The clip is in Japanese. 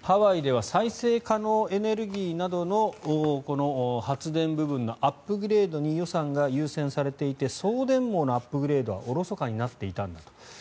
ハワイでは再生可能エネルギーなどの発電部分のアップグレードに予算が優先されていて送電網のアップグレードはおろそかになっていたんだと。